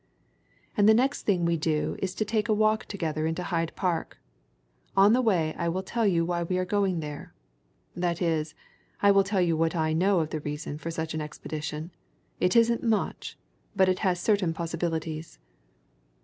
"And the next thing we do is to take a walk together into Hyde Park. On the way I will tell you why we are going there that is, I will tell you what I know of the reason for such an expedition. It isn't much but it has certain possibilities."